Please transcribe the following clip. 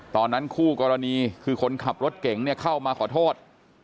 ตอนนั้นคู่กรณีคือคนขับรถเก่งเข้ามาขอโทษ